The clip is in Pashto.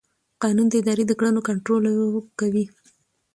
قانون د ادارې د کړنو کنټرول کوي.